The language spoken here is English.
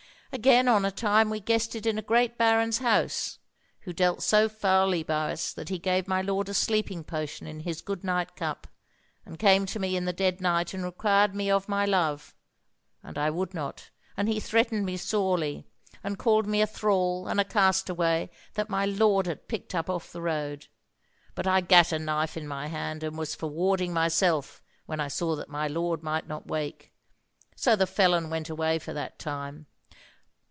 "Again, on a time we guested in a great baron's house, who dealt so foully by us that he gave my lord a sleeping potion in his good night cup, and came to me in the dead night and required me of my love; and I would not, and he threatened me sorely, and called me a thrall and a castaway that my lord had picked up off the road: but I gat a knife in my hand and was for warding myself when I saw that my lord might not wake: so the felon went away for that time.